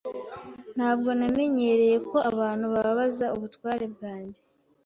Ntabwo namenyereye ko abantu babaza ubutware bwanjye.